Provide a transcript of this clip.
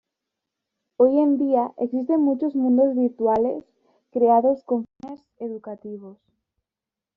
Hoy en día existen muchos Mundos Virtuales creados con fines educativos.